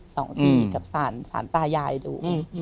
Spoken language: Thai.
สองทีกับศาลตายายดู